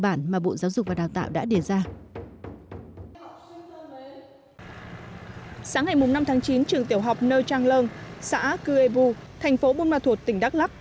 sáng ngày năm tháng chín trường tiểu học nơ trang lơn xã cư ê bu thành phố bùn ma thuột tỉnh đắk lắk